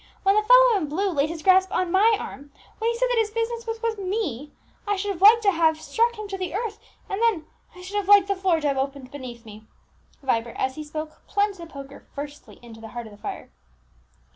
When the fellow in blue laid his grasp on my arm, when he said that his business was with me, I should have liked to have struck him to the earth; and then I should have liked the floor to have opened beneath me!" Vibert, as he spoke, plunged the poker fiercely into the heart of the fire.